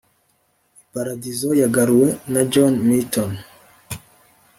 "iparadizo yagaruwe" na john milton